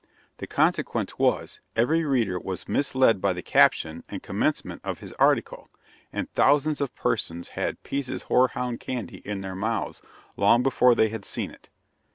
The consequence was, every reader was misled by the caption and commencement of his article, and thousands of persons had "Pease's Hoarhound Candy" in their mouths long before they had seen it!